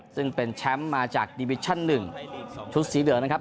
ซึ่งเป็นแชมป์มาจากดิวิชั่น๑ชุดสีเหลืองนะครับ